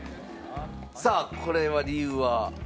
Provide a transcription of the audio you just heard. さあこれは理由は？